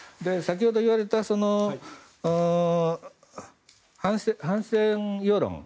先ほど言われた反戦世論